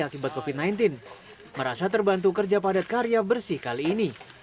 akibat kofit sembilan belas merasa terbantu kerja padat karya bersih kali ini